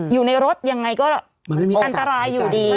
อยู่ในรถยังไงก็อันตรายอยู่ดี